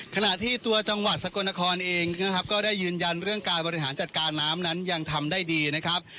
ขณะที่ตัวจังหวัดสกลนครเองนะครับก็ได้ยืนยันเรื่องการบริหารจัดการน้ำนั้นยังทำได้ดีนะครับ